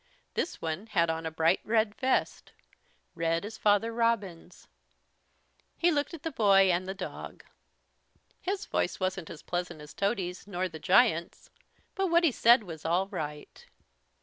This one had on a bright red vest, red as Father Robin's. He looked at the boy and the dog. His voice wasn't as pleasant as Tody's nor the giant's, but what he said was all right.